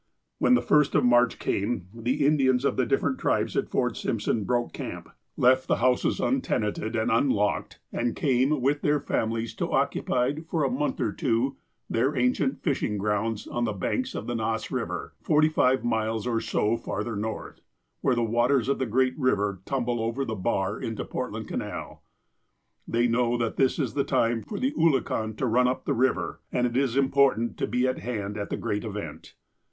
When the first of March came, the Indians of the dif ferent tribes at Fort Simpson broke camp, left the houses 68 THE APOSTLE OF ALASKA untenanted and unlocked, and came, with their families, to occupy, for a month or two, their ancient fishing grounds on the banks of the Nass Eiver, forty five miles or so farther north, where the waters of the great river tumble over the bar into Portland Canal. They know that this is the time for the oolakan to run up the river, and it is important to be at hand at the great event.